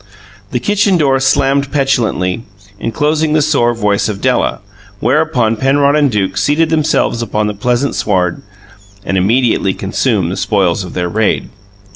The kitchen door slammed petulantly, enclosing the sore voice of Della, whereupon Penrod and Duke seated themselves upon the pleasant sward and immediately consumed the spoils of their raid.